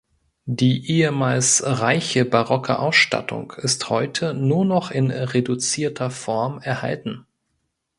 Die ehemals reiche barocke Ausstattung ist heute nur noch in reduzierter Form erhalten.